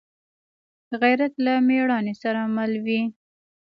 غیرت له مړانې سره مل وي